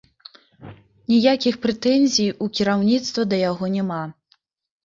Ніякіх прэтэнзій у кіраўніцтва да яго няма.